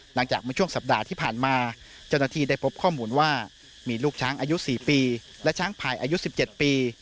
หลังจากเมื่อช่วงสัปดาห์ที่ผ่านมาเจ้าหน้าที่ได้พบข้อมูลว่ามีลูกช้างอายุ๔ปีและช้างภายอายุ๑๗ปี